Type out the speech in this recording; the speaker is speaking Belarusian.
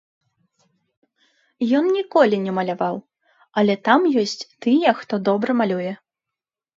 Ён ніколі не маляваў, але там ёсць тыя, хто добра малюе.